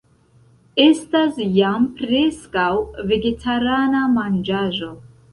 Estas jam preskaŭ vegetarana manĝaĵo